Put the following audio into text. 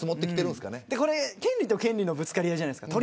これは権利と権利のぶつかり合いじゃないですか。